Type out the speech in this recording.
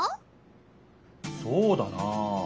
そうだなあ。